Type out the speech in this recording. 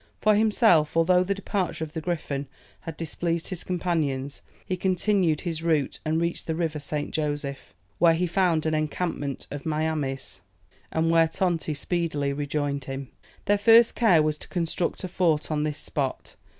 For himself, although the departure of the Griffon had displeased his companions, he continued his route, and reached the river St. Joseph, where he found an encampment of Miamis, and where Tonti speedily rejoined him. Their first care was to construct a fort on this spot.